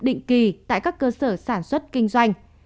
một mươi hai ca xét nhậm định kỳ tại các cơ sở sản xuất kinh doanh